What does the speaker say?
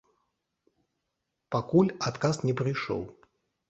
Пакуль адказ не прыйшоў.